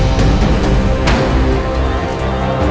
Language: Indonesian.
dewa temen aku